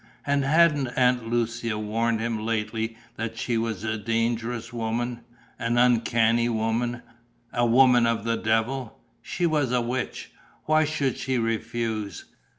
And hadn't Aunt Lucia warned him lately that she was a dangerous woman, an uncanny woman, a woman of the devil? She was a witch! Why should she refuse?